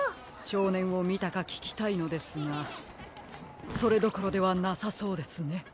しょうねんをみたかききたいのですがそれどころではなさそうですね。